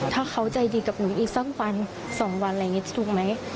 ถ้าเขาใจดีกับหนูอีกสักวัน๒วันถูกไหม